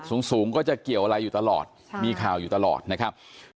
สูงสูงก็จะเกี่ยวอะไรอยู่ตลอดมีข่าวอยู่ตลอดนะครับ